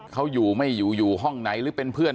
เขาอยู่ไม่อยู่อยู่ห้องไหนหรือเป็นเพื่อน